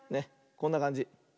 こんなかんじ。